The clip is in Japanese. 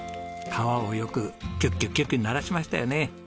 皮をよくキュッキュキュッキュ鳴らしましたよね。